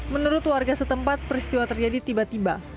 menurut warga setempat peristiwa terjadi tiba tiba